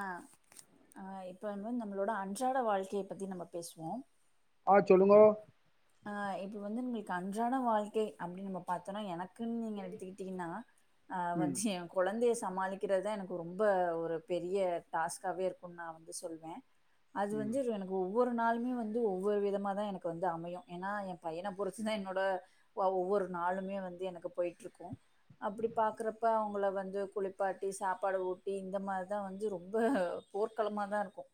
அ அ இப்ப வந்து நம்ளோட அன்றாட வாழ்க்கைய பத்தி நம்ம பேசுவோ ஆ சொல்லுங்கோ அ இப்ப வந்து நிம்புல்க்கு அன்றாட வாழ்க்கை அப்டி நம்ப பாத்தோன்னா எனக்குன் நீங்க எடுத்துக்கிட்டீங்னா அ ம் வஜ்ஜியம் கொழந்தய சமாளிக்கிறதுதா எனக்கு ரொம்ப ஒரு பெரிய டாஸ்க்காவே இருக்குன் நா வந்து சொல்வே அது ம் வந்து ரு எனக்கு ஒவ்வொரு நாளுமே வந்து ஒவ்வொரு விதம தா எனக்கு வந்து அமையு ஏனா ஏ பையன பொறுத்துதா என்னோட வ ஒவ்வொரு நாளுமே வந்து எனக்கு போயிட்ருக்கு அப்புடி பாக்குறப்ப அவுங்ள வந்து குளிப்பாட்டி சாப்பாடு ஊட்டி இந்த மார்தா வந்து ரொம்ப போர்க்களம்மாதா இருக்கு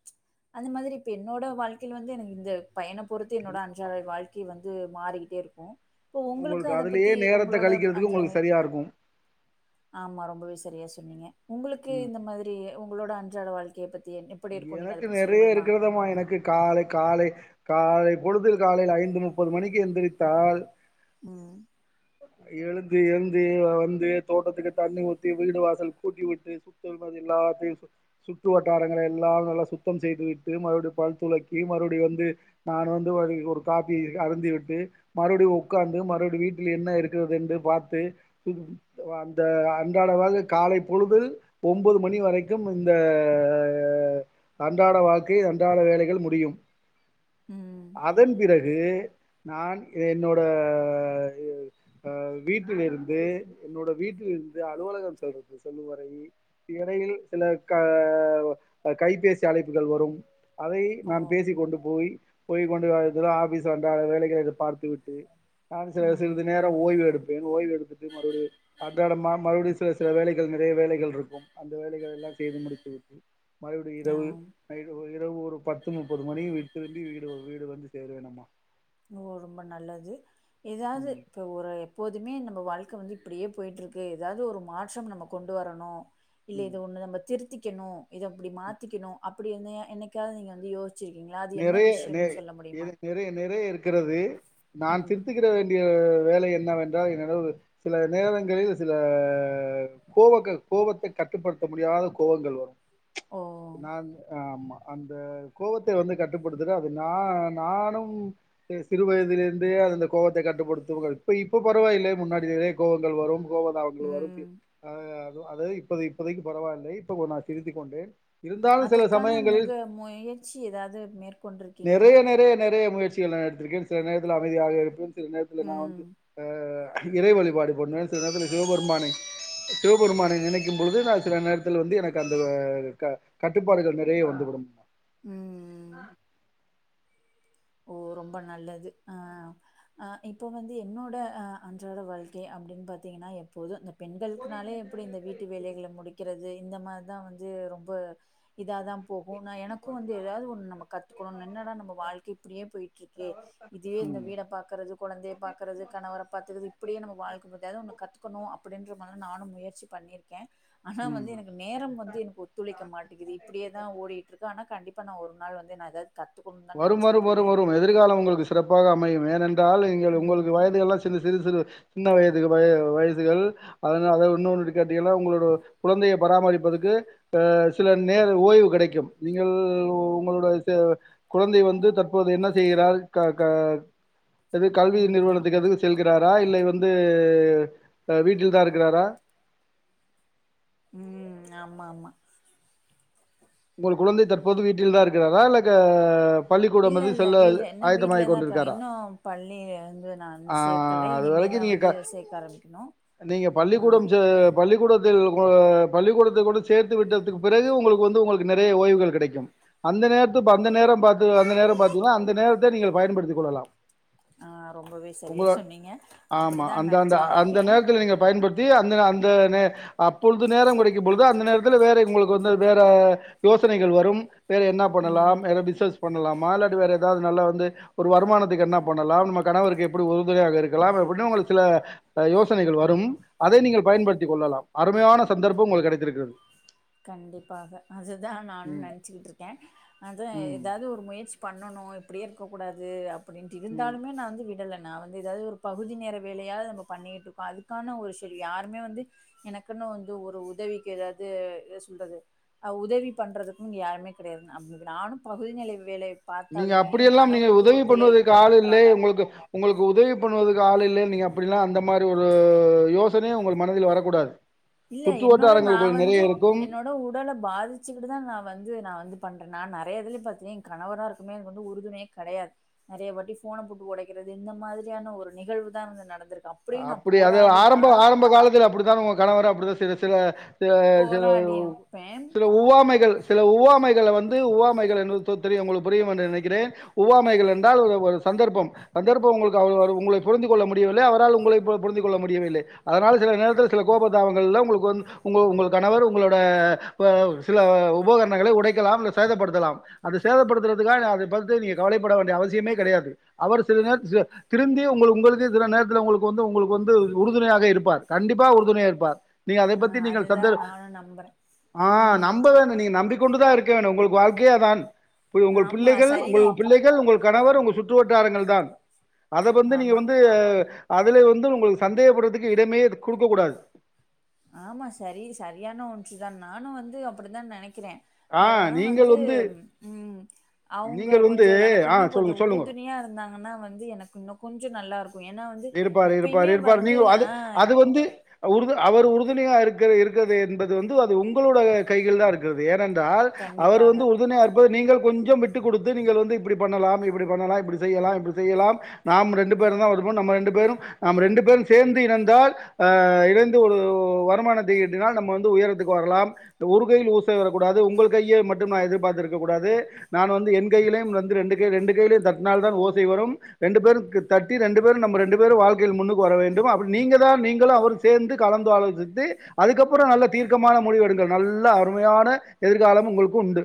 அது மாதுரி என்னோட வாழ்க்கைல் வந்து எனக்கு இந்த பையனா பொறுத்து என்ன அன்றாட வாழ் கி வந்து மாறிக்கிட்டே இருக்கு போ உங்குளுக்கு உங்களுக்கு அத அதுலயே பத்தி நேரத்த உங்களோட கழிக்கிறதுக்கு அன்றடே உங்களுக்கு சரியா இருக்கு ஆம்மா ரொம்பவே சரியா சொன்னீங்க உங்களுக்கு ம் இந்த மாதுரி உங்களோட அன்றாட வாழ்க்கைய பத்தி என்னே எனக்கு நெறைய இருக்குறதம்மா எனக்கு காலை காலை காலை பொழுதில் காலையில ஐந்து முப்பது மணிக்கு எந்துரித்தால் ம் எழுந்து ஏந்தி வந்து தோட்டத்துக்கு தண்ணி ஊத்தி வீடு வாசல் கூட்டி விட்டு சுத் துல் பாத்திங்களா அப்பியு சொல் சுட்டு வட்டாரங் வேல எல்லா நல்லா சுத்தம் செய்து விட்டு மறுவ்டி பல் துளக்கி மறுப்டி வந்து நானு வந்து வதகி ஒரு காப்பி அருந்திவிட்டு மறுப்டி ஒக்காந்து மறுவ்டி வீட்டில் என்ன இருக்கிறது என்று பார்த்து வ அந்த அன்றாட வாழ்கை காலை பொழுதில் ஒம்பொது மணி வரக்கும் இந்த அ அன்றாட வாழ்க்கை அன்றாட வேலைகள் முடியும் ம். அதன் பிறகு நான் என்னோட அ வீட்டில இருந்து என்னோட வீட்டில் இருந்து அலுவலகம் சொல்றது செல்லு வரை இடையில் சில கா கைபேசி அழைப்புகள் வரும் அதை ஓ! நான் பேசிக்க கொண்டு போய் போய்க் கொண்டு வது ஆபீஸ் வந்து வேலைகல பார்த்து விட்டு நான் சில ம். சிறிது நேர் ஓய்வு எடுப்பேன் ஓய்வு எடுத்துட்டு மறுபடியு அன்றாட ம மறுப்டியு சில சில வேலைகள் நறைய வேலைகள் இருக்கும் அந்த வேலைகள் எல்லாம் செய்து முடித்து விட்டு மறுப்டி இரவு ஆ. இரவு ஒரு பத்து முப்பது மணி வீட்டுருந்து வீடு வீடு வந்து சேருவேணம்மா ரொம்ப நல்லது ஏதாது ம் இப்போ ஒரு எப்போதுமே நம்ம வாழ்க்கை வந்து இப்டியே பொய்ட்டுருக்கு ஏதாவ்து ஒரு மாற்றம் நம்ம கொண்டு வரணு இல்ல ம் இத ஒன்னு நம்ம திருத்திக்கணு இத அப்டி மாத்திக்கணு அப்டி என்னைக்காவ நீங்க வந்து சி வச்சிருக்கீங்ளா அது என்ன நிறைய நெ விஷ்யோனு சொல்ல முடியுமா இது நிறைய நிறைய இருக்கிறது நான் ம். திருத்துக்கிற வேண்டிய வேலை என்னவென்றால் என்னடவு சில நேரங்களில் சில கோவங்கள் கோவத்தை கட்டுப்படுத்த முடியாத கோவங்கள் வரு ஓ! நா ஆமா அந்த கோவத் வந்து கட்டுப்படுத்துற அது நா நானு சிறு வயதிலேருந்தே அந்த கோவத்த கட்டுப்படுத்துவேன் இப்போ இப்போ பரவாயில்லை முன்னாடி நிறைய கோவங்கள் வரு கோவது வருத்தி ம். அ அது இப்ப இப்போதைக்கு பரவாயில்லை இப்ப நான் திரித்து கொண்டேன் இருந்தாலும் சில அதற்கான சமயங்களில் முக முயற்சி ஏதாது மேற்கொ நெறைய நெறைய நெறைய முயற்சிகள் நா எடுத்திருக்கே சில நேரத்துல அமைதியாக இருப்போ சில நான் ம். வந்து அ இறை வழிபாடு பண்வேன் சில நேரத்துல நா வந்து சிவபெருமானை சிவபெருமானை நினைக்கும் பொழுது நான் சில நேரத்தில் வந்து எனக்கு அந்த கட்டுப்பாடுகள் நறைய வந்துவிடும் ம் ஆ ஓ ரொம்ப நல்லது ஆ அ இப்ப வந்து என்னோட அ அன்றாட வாழ்க்கை அப்டின் பாத்திங்கன்னா எப்போது இந்த பெண்களுக்குனாலே எப்டி இந்த வீட்டு வேலைகள முடிக்கிறது இந்த மாரி தா வந்து ரொம்ப இதாதா போகு நா எனக்கு வந்து ஏதாவ்து ஒன்னு நம்ம கத்துக்கணு என்னடா நம்ம வாழ்க்கை இப்டியே பொய்ட்ருக்கே இதுவே இந்த ம் வீட பாக்றது கொழந்தைய பாக்றது கணவர பாத்துக்றது இப்டியே நம்ம வாழ்க போது ஏதாவ்து ஒன்னு கத்துக்கணு அப்டின்ற மாரி நானு முயற்சிக் பண்ணியிருக்கே ஆனா ம் வந்து எனக்கு நேரம் வந்து எனக்கு ஒத்துழைக்க மாட்டேங்குது இப்படியேதா ஓடிட்ருக்கு ஆனா கண்டிப்பா நா ஒரு நாள் வந்து ஏதாவ்து கத்துக்குணுதா வரும் வரும் நெனைச்சிட்ருக்க வரும் எதிர்காலம் உங்களுக்கு சிறப்பாக அமையும் ஏனென்றால் உங்களுக்கு ம் வயதெல்லாம் சிறு சிறு சிறு சின்ன வயது வய வயசுகள் அதனால்தான் இன்னொன்னு கேட்டிகன உங்களோட கொழந்தைய பராமரிப்பதற்க்கு ஆ சில நேர ஓய்வு கெடைக்கும் நீங்கள் உங்களோட குழந்தை வந்து தற்போது என்ன செய்கிறார் க க இது கல்வி ம் நிறுவனத்துக்கு ஆமா எது செல்கிறாரா இல்லை வந்து வீட்டில்தா இருக்கிறாரா ம் ஆமா ஆமா உங்கள் குழந்தை தற்போது வீட்டில்தா இருக்கிறாரா இல்ல க பள்ளிக்கூடம் இல்ல எது இல்ல செல்ல வீடு இன்னு ஆயத்தமாகி வீட்லதா இருக்காங்க கொண்டிருக்காரா இன்னு பள்ளி வந்து நா ஆ சேக்கல அது வரைக்கு இனிமேதா நீங்க வந் க து சேக்க ஆரம்பிக்கணு நீங்க ஆ பள்ளிக்கூடம் சே பள்ளிக்கூடத்தில் ஒரு பள்ளிக்கூடத்து கூட சேத்து விட்துக்கு பிறகு உங்களுக்கு வந்து உங்கள் நெறய ஓய்வுகள் கெடைக்கு அந்த நேர்த்து அந்த நேரோ பாத்து அந்த நேரோ பாத்துதா அந்த நேரத்த நீங்கள் பயன்படுத்தி கூடலாம் ஆ ரொம்பவே உங்க சரியா சொன்னீங்க ஆமா அப்டிதா அந்தந்த நெனச்சிக்கிட்டு அந்த இருக்கே நேர்த்ல நீங்க பயன்பட் தி அந்த அந்த நே அப்பொழுது நேரோ கெடைக்கு பொழுது அந்த நேரத்தில் வேற உங்கள்க்கு வந்து வேற யோசனைகள் வரும் வேறு என்னா பண்ணலாம் ம் வேற பிஸ்னஸ் பண்லாமா இல்லாட்டி வேற எதாவ்து நல்லா வந்து ஒரு வருமானத்துக்கு என்ன பண்ணலாம் நம்ம கணவருக்கு எப்புடி உறுதுணையாக இருக்கலா அப்டினு உங்களுக் சில அ யோசனைகள் வரும் அதை நீங்கள் பயன்படுத்திக் கொள்ளலாம் அருமையான சந்தர்ப்பம் உங்களுக் கெடைத்திருக்கறது கண்டிப்பாக அதுதா நானு ம், நென்ச்சிக்கிட்ருக்கே அது ம், எதாவ்து ஒரு முயற்சி பண்ணணு இப்டியே இருக்கக் கூடாது அப்படின்ட்டு ம். இருந்தாலுமே நா வந்து விடல நா வந்து எதாவ்து ஒரு பகுதி நேர வேலயாவ்து நம்ப பண்ணிட்ருக்கோ அதுக்கான ஒரு செல் யாருமே வந்து எனக்குன்னு வந்து ஒரு உதவிக்கு எதாது என்ன சொல்றது அ உதவி பண்றதுக்கு இங்க யாருமே கெடயாது அப் நானு பகுதி நிலை வேலை நீங்க பார்த்தாலுமே என் அப்புடியெல்லாம் நீங்க கணவர் வந்து உதவி பண்ணுவதற்கு ஒத்துழைக்க ஆளு இல்லே மாட்றாங்க. உங்களுக்கு உங்களுக்கு உதவி பண்ணுவதுக்கு ஆள் இல்லே நீங்க அப்புடினா அந்த மாரி ஒரு யோசனயே உங்கள் மனதில் வரக்கூடாது இல்ல சுற்று என்னோட நா வட்டாரங்களுக்குள் வந்து நிறைய இருக்கும் என்னோ னு உடல பாதிச்சுக்கிட்டுதா நா வந்து நா வந்து பண்ற நா நறய இதுலயு பாத்தே ஏ கணவராக இருக்குமே எனக்கு வந்து உறுதுணையே கடையாது நெறய வாட்டி ஃபோன போட்டு ஒடைக்கிறது இந்த மாரியான ஒரு நிகழ்வு தா வந்து நடந்துருக்கா அப் அப்புடி அது ஆரம்ப ஆரம்ப காலத்துல அப்புடித்தா உங்க கணவர் அப்புடிதா சில சில சில சில போராடி இருப்பேன். சில உவ்வாமைகள் சில உவ்வாமைகள வந்து உவ்வாமைகள் என் தொ தெரியும் உங்குளுக்கு புரியு என்று நினைக்கிறேன் உவ்வாமைகள் என்றால் ஒரு சந்தர்ப்பம் சந்தர்ப்போ உங்களுக்கு அவுர அவர புரிந்து கொள்ள முடியவில்லை அவரால் உங் உங்களை இப்போ புரிந்து கொள்ள முடியவில்லை அதனால சில நேரத்துல சில கோப தாபங்கள்ல உங்களுக்கு வந்து உங்க உங்கள் கணவர் உங்களோட இப்ப சில உபகரணங்களை உடைக்கலாம் இல்ல சேதப்படுத்தலாம் அத சேதப்படுத்துறதுக்காக அது பாத்து நீங்க கவலைப்பட வேண்டிய அவசியமே கெடையாது அவர் சில நேரத்து சில திருந்தியே உங்கள் உங்களுக்கு சில நேரத்துல உங்களுக் வந்து உங்குளுக்கு வந்து உறுதுணையாக இருப்பார் கண்டிப்பா உறுதுணையா இருப்பார் நீங்க அத அ பத்தி நீங்கள் சந்தே அதுதான் நானும் நம்புறேன். ஆ ம். நம்பதானே நீங்க நம்பிக்கு கொண்டுதா இருக்கேன் உங்களுக்கு வாழ்க்கையே அதான் உங்கள் ஆமா பிள்ளைகள் உங்கள் சரிதான். இது பிள்ளைகள் உங்கள் கணவர் உங்கள் சுற் று வட்டாரங்கள் தான் அத வந்து நீங்க ஆமா. வந்து அதுலே வந்து உங்களுக்கு சந்தேகப்படுறதுக்கு இடமே குடுக்கக் கூடாது ஆமா சரி சரியான ஒன்றுதான் நானு வந்து அப்புடிதான் நெனைக்கிறே ஆ பட் ஆனா நீங்கள் வந்து ம் அவுங்க நீங்கள் வந்து கொஞ்சோ எனக்கு ஆ இன்னு கொஞ்சோ சொல்லுங்க, சொல்லுங்க. உறுதுணையா இருந்தாங்கன்னா வந்து எனக்கு இன்னும் கொஞ்சோ நல்லாருக்கும் ஏனா வந்து இருப்பாரு, இருப்பாரு, இப்பயுமே இருப்பாரு. வந்து நீங்க அது ஆ அது வந்து உறுது அவரு உறுதுணயா இருக்க இருக்கற்து என்பது அது உங்களோட கைகள் தாருக் கு ஏனென்றால் அவர் கண்டிப்பாக, வந்து உறுதுணையா இப்போ நீங்கள் கொஞ்சம் விட்டு குடுத்து நீங்கள் வந்து இப்புடி பண்ணலாம் இப்புடி பண்ணலாம் இப்புடி செய்யலாம் இப்புடி செய்யலாம் நாம் ரெண்டு பேரும் தா இருப்போ நம்ம ரெண்டு பேரும் நாம் ரெண்டு பேரும் சேந்து இணைந்தால் ஆ இணைந்து ஒரு வருமானத்தை ஈட்டினால் நம்ம வந்து உயரத்துக்கு வரலாம் இந்த ஒருகையில் ஓச வரக்கூடாது உங்கள் கையே மட்டும் நா எதுர்பாத்துருக்க கூடாது நான் வந்து என் கையிலயும் வந்து ரெண்டு கை ரெண்டு கையிலே தட்னால்தான் ஓசை வரும் ரெண்டு பேருக்கு தட்டி ரெண்டு ரெண்டு பேரும் நம்ம ரெண்டு பேரு வாழ்க்கையில் முன்னுக்கு வர வேண்டும் அப்டி நீங்க தான் நீங்களும் அவரும் சேந்து கலந்து ஆலோசித்து அதுக்கப்புறோ நல்ல தீர்க்கமான முடிவெடுங்கள் நல்ல அருமையான எதிர்காலம் உங்குளுக்கு உண்டு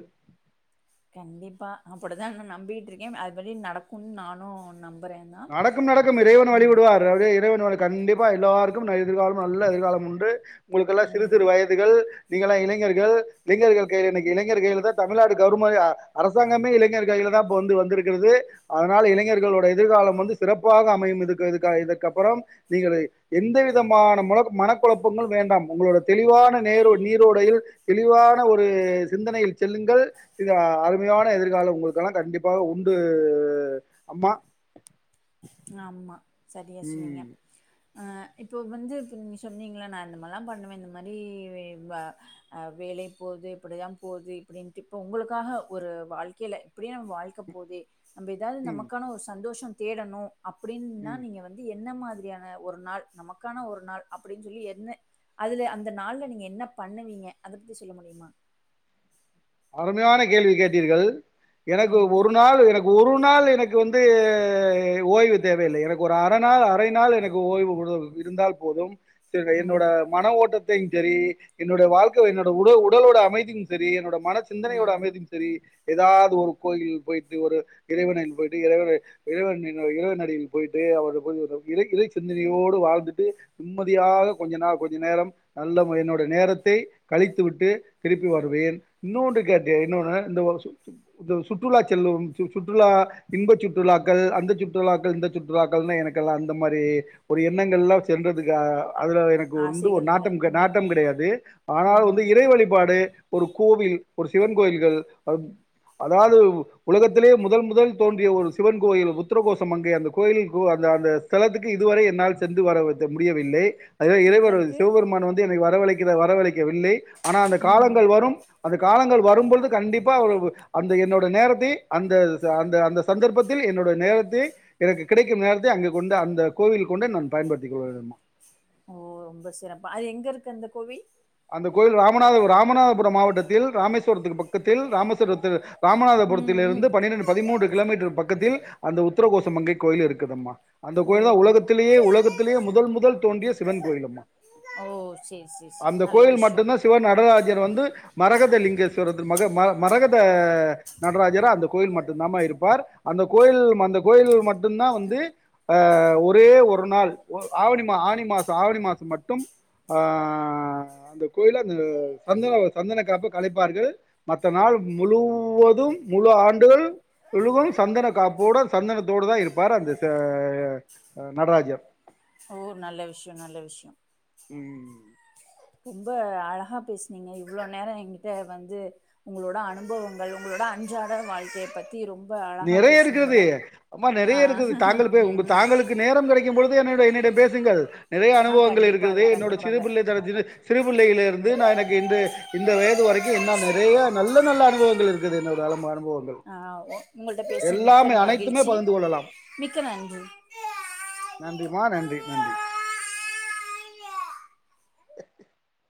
கண்டிப்பா அப்டித்தா நா நம்பிக்கிட்டு இருக்கே அது படி நடக்குனு நானு நம்பறேதா நடக்கும் நடக்கும் இறைவன் வழிவிடுவார் நல்லபடியா இறைவன் அருள் கண்டிப்பா எல்லாருக்கு எதிர்காலம் நல்ல எதிர்காலம் உண்டு உங்களுக்கெல்லா சிறு ம். சிறு வயது கள் நீங்கெல்லா இளைஞர்கள் இளைஞர்கள் கையிலதா இன்னக்கி இளைஞர் கையில தா தமிழ்நாடு கவர்மெண்ட் அரசு அரசாங்கமே இளைஞர்கள் கையிலதா இப்போ வந்து வந்துருக்கிறது அதனால இளைஞர்களோட எதிர்காலம் வந்து சிறப்பாக அமையு இதுக்கு இதுக்கு இதுக்கு அப்பறம் நீங்களே எந்த விதமான முல மனக்குழப்பங்கள் வேண்டாம் உங்களோட தெளிவான நேர நீரோடையில் தெளிவான ஒரு சிந்தனையில் செல்லுங்கள் மிக அருமையான எதிர்காலம் உங்களுக்கெல்லா கண்டிப்பாக உண்டு அம்மா [inaudible] ஆம்மா சரியா சொன்னிங்க ம் அ இப்போ வந்து இப்போ நீங்க சொன்னீங்கள்ள நா இந்தமாரிலா பண்ணுவே இந்த மாரி வ வ அ வேலை போது இப்டிதா போது இப்டின்ட்டு இப்ப உங்களுக்காக ஒரு வாழ்க்கையில இப்டியே நம்ம வாழ்க்க போதே நம்ப எதாவுது ம் நமக்கான ஒரு சந்தோஷம் தேடணு அப்டின்னா ம் நீங்க வந்து வந்து என்ன மாதிரியான ஒரு நாள் நமக்கான ஒரு நாள் அப்டின்னு சொல்லி என்ன அதுல அந்த நாள்ல நீங்க என்ன பண்ணுவீங்க அத பத்தி சொல்ல முடியுமா அருமையான கேள்வி கேட்டீர்கள் எனக்கு ம். ஒரு நாள் எனக் ஒரு நாள் எனக்கு வந்து ஓய்வு தேவையில்லை எனக்கு ஒரு அர நாள் அரை நாள் எனக்கு ஓய்வு குடு இருந்தால் போதும் என்னோட ம். மன ஓட்டத் தயு சரி என்னுடைய வாழ்க்க என்னோட உட உடலோட அமைதியு சரி என்னோட மன சிந்தனையோட ம். அமைதியு சரி எதாவுது ஒரு கோயிலில் போய்ட்டு ஒரு இறைவனில் படி போயிட்டு இறைவனை இறைவன் இறைவனடியில் போயிட்டு அவர் போய் இ இறை சிந்தனையோடு வாழ்ந்துட்டு நிம்மதியாக கொஞ்ச நாள் கொஞ்ச நேரம் நல்ல என்னோடய நேரத்தை கழித்து விட்டு திருப்பி வருவேன் இன்னொன்று கேட்டியா இன்னொன்னு இந்த இந்த சுற்றுலா செல்லும் சு சுற்றுலா இன்ப சுற்றுலாக்கள் அந்த சுற்றுலாக்கள் இந்த சுற்றுலாக்கள்னு எனக்கெல்லா அந்த மாரி ஒரு எண்ணங்கள்லா சென்றதுக்கு அதுல எனக்கு வந்து ஒரு ஆசைகள்ல. நாட்டம் ம். நாட்டம் கிடையாது ஆனால் வந்து ம். இறை வழிபாடு ஒரு கோவில் ஒரு சிவன் கோயில்கள் அதாவுது உலகத்திலே முதல் முதல் தோன்றிய ஒரு சிவன் கோயில் உத்தரகோஷமங்கை அந்த கோயிலுகுள் அந்த அந்த ஸலத்துக்கு இதுவரை என்னால் சென்று வர முடியவில்லை அத எங்க இறைவர் இருக்கு? சிவபெருமான் வந்து எனக்கு வரவழைக்கிற வரவழைக்கவில்லை ஆனால் அந்த ம். காலங்கள் வரும் அந்த காலங்கள் வரும்பொழுது கண்டிப்பா அந்த என்னோட நேரத்தை அந்த அந்த அந்த சந்தர்ப்பத்தில் என்னோட நேரத்தை எனக்கு கிடைக்கும் நேரத்தை அங்க கொண்டு அந்த கோவிலுக் கொண்டே நா பயன்படுத்திக் கொள்கிறேமா ஓ ரொம்ப சிறப்பா அது எங்க இருக்கு அந்த கோவில் அந்த கோயில் ராமநாதபு ராமநாதபுரம் மாவட்டத்தில் ராமேஸ்வரத்துக்கு பக்கத்தில் ராமஸ்வரத்தில ம் ம் ராமநாதபுரத்திலிருந்து பன்னிரெண்டு பதிமூன்று கிலோமீட்டர் பக்கத்தில் அந்த உத்தரகோசமங்கை கோயில் இருக்குதம்மா அந்த ஓ கோயில்தா ரொம் உலகத்திலயே உலகத்துலயே முதல் முதல் தோன்றிய சிவன் கோயிலும்மா ஓ சேரி சேரி சேரி அந்த நல்ல கோயில் விஷயோ மட்டுந்தா சிவா நடராஜர் வந்து மரகத லிங்கேஸ்வர் மர மரகத நடராஜர் அந்த கோயில் மட்டுதாமா இருப்பார் அந்த கோயில் அந்த கோயில் மட்டுதா வந்து ஆ ஒரே ஒரு நாள் ஆவணி மாசோ ஆனி மாசோ ஆடி மாசோ மட்டும் ஆ அந்த கோயில அந்த சந்தன சந்தனக்க காப்பு கலைபார்கள் மத்த நாள் முழூவதூம் முழு ஆண்டு முழுவதூம் சந்தன காப்போடு சந்தனத்தோடு தா இருப்பார் அந்த த ஆ நடராஜர் ஓ நல்ல விஷயோ நல்ல விஷயோ ம் ரொம்ப அழகாக பேசினீங்க இவ்ளோ நேரோ எங்ககிட்டா வந்து உங்களோட அனுபவங்கள் உங்களோட அன்றாட வாழ்க்கய பற் த்தி ரொம்ப அழகா நிறைய பேசனீங்க இருக்கிறது அம்மா ஆ நிறைய இருக்குது தாங்கள் போய் ம் உங்க ம் தாங்களுக்கு நேரம் கிடைக்கும் பொழுது என்னிட என்னிடம் பேசுங்கள் நிறய ஆ அனுபவங்கள் இருக்கிறது கண்டிப்பாக என்னுடய கண்டிப்பாக சுறுபிள்ளைதனத்தீல் சிறு பிள்ளையில இருந்து நா எனக்கு இந்த இந்த வயது வரைக்கூ என்னால் நிறைய நல்ல நல்ல அனுபவங்கள் இருக்கு இது என்னோட ‌அரூம அனுபவங்கள் ஆ ஒங்கல்ட்ட பேசதனுக்கு எல்லாமே மிக்க அனைத்துமே மகிழ்ச்சி பகிர்ந்து கொள்ளலாம் மிக்க நன்றி நன்றிம்மா நன்றி நன்றி [unintelligible]